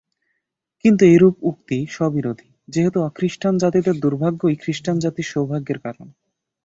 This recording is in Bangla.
কিন্তু এইরূপ উক্তি স্ববিরোধী, যেহেতু অখ্রীষ্টান জাতিদের দুর্ভাগ্যই খ্রীষ্টানজাতির সৌভাগ্যের কারণ।